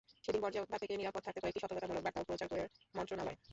সেদিন বজ্রপাত থেকে নিরাপদে থাকতে কয়েকটি সতর্কতামূলক বার্তাও প্রচার করে মন্ত্রণালয়।